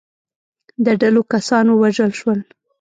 د ډلو کسان ووژل شول.